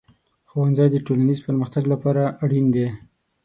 ښوونځی د ټولنیز پرمختګ لپاره اړین دی.